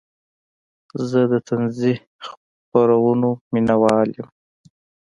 زه د طنزي خپرونو مینهوال یم.